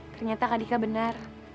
ternyata kak dika benar